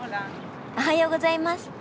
おはようございます。